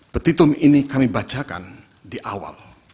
petitum ini kami bacakan di awal